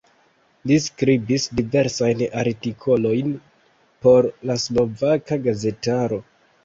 Li skribis diversajn artikolojn por la slovaka gazetaro.